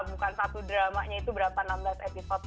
bukan satu dramanya itu berapa enam belas episode